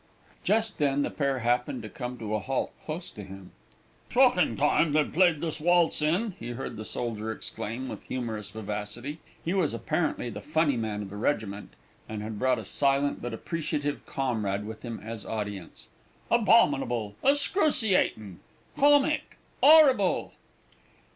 Just then the pair happened to come to a halt close to him. "Shockin' time they're playing this waltz in," he heard the soldier exclaim with humorous vivacity (he was apparently the funny man of the regiment, and had brought a silent but appreciative comrade with him as audience), "abominable! excruciatin'! comic!! 'orrible!!!"